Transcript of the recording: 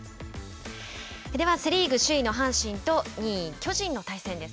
では、セ・リーグ首位の阪神と２位巨人の対戦です。